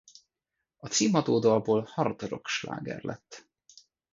A címadó dalból hard rock sláger lett.